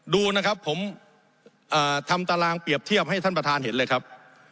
ดูนะครับผมทำตารางเปรียบเทียบให้ท่านประธานเห็นเลยครับ